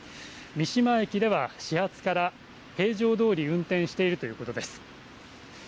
鉄道各社によりますと、三島駅では始発から平常どおり、運転しているということです。